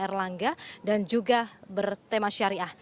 erlangga dan juga bertema syariah